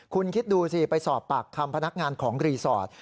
คุณคิดดูสิไปสอบปากคำพนักงานของรีสอร์ท